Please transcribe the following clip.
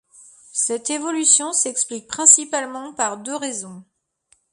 Cette évolution s'explique principalement par deux raisons.